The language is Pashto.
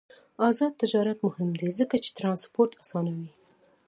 آزاد تجارت مهم دی ځکه چې ترانسپورت اسانوي.